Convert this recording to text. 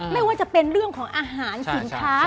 ไม่ว่าจะเป็นเรื่องของอาหารสินค้า